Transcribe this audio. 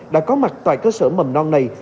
đã có mặt tại cơ sở mầm non này